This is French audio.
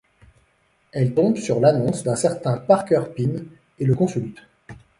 Elle tombe sur l'annonce d'un certain Parker Pyne et le consulte.